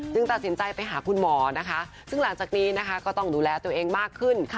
ตัดสินใจไปหาคุณหมอนะคะซึ่งหลังจากนี้นะคะก็ต้องดูแลตัวเองมากขึ้น